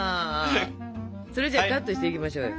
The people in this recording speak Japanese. それじゃカットしていきましょうよ。